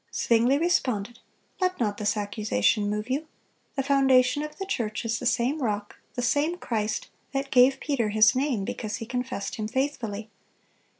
Zwingle responded: "Let not this accusation move you. The foundation of the church is the same Rock, the same Christ, that gave Peter his name because he confessed Him faithfully.